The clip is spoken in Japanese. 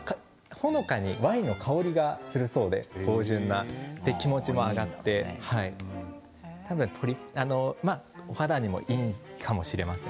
ほのかにワインの香りがするそうで、芳じゅんな気持ちも上がってお肌にもいいかもしれません。